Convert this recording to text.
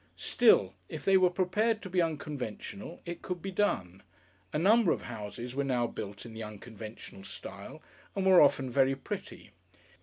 Still, if they were prepared to be unconventional it could be done. A number of houses were now built in the unconventional style and were often very pretty.